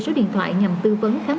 ba mươi số điện thoại nhằm tư vấn khám